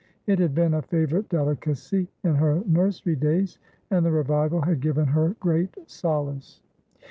It had been a favourite delicacy in her nursery days, and the revival had given her great solace.